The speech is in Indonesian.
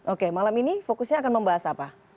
oke malam ini fokusnya akan membahas apa